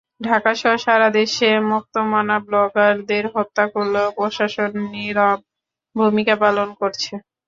ঢাকাসহ সারা দেশে মুক্তমনা ব্লগারদের হত্যা করলেও প্রশাসন নীরব ভূমিকা পালন করছে।